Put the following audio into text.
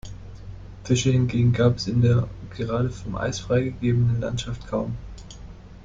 Fische hingegen gab es in der gerade vom Eis freigegebenen Landschaft kaum.